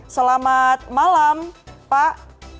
selamat malam pak